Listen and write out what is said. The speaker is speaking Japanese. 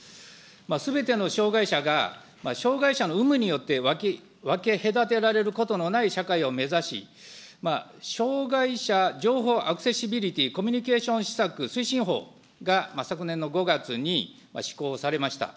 すべての障害者が障害者の有無によって分け隔てられることのない社会を目指し、障害者情報アクセシビリティコミュニケーション施策推進法が昨年の５月に施行されました。